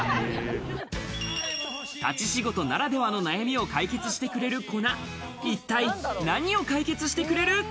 立ち仕事ならではの悩みを解決してくれる粉、一体、何を解決してくれる？